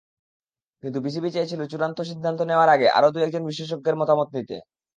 কিন্তু বিসিবি চেয়েছিল চূড়ান্ত সিদ্ধান্ত নেওয়ার আগে আরও দু-একজন বিশেষজ্ঞের মতামত নিতে।